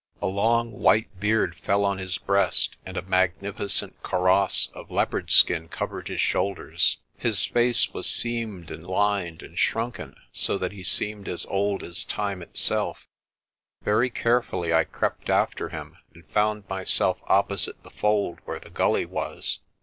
A long white beard fell on his breast, and a magnificent kaross of leopard skin covered his shoulders. His face was seamed and lined and shrunken, so that he seemed as old as Time itself. Very carefully I crept after him, and found myself opposite the fold where the gully was.